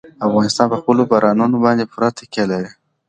افغانستان په خپلو بارانونو باندې پوره تکیه لري.